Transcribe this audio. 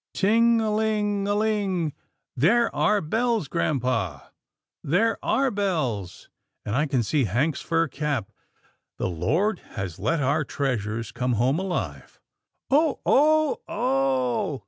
Ting a ling a ling. They're our bells, grampa — they're our bells — and I can see Hank's fur cap. The Lord has let our treasures come home alive. Oh ! Oh ! Oh